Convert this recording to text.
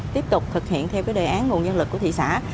tiếp tục thực hiện theo đề án nguồn nhân lực của thị xã